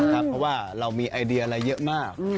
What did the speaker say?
เพราะว่าเรามีไอเดียอะไรเยอะมาก